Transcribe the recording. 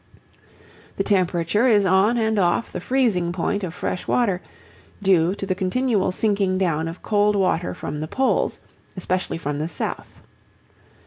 The temperature is on and off the freezing point of fresh water (28° 34° Fahr.), due to the continual sinking down of cold water from the Poles, especially from the South.